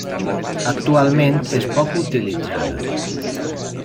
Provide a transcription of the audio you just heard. Actualment és poc utilitzada.